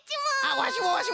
わしもわしも！